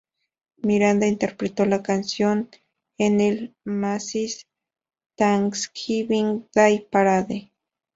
Miranda interpretó la canción en el Macy's Thanksgiving Day Parade.